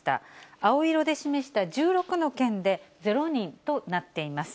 青色で示した１６の県で０人となっています。